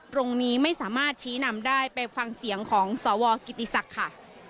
ตรงนี้ไม่สามารถชี้นำได้ไปฟังเสียงของสวกิติศักดิ์ค่ะ